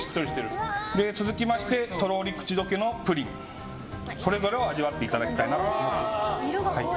続きましてとろーり口溶けのプリンそれぞれを味わっていただきたい。